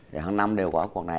thì hàng năm đều có cuộc này